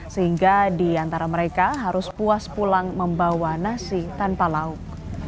sehingga di antara mereka harus puas pulang membawa nasi tanpa lauk